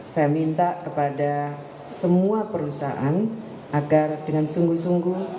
saya minta kepada semua perusahaan agar dengan sungguh sungguh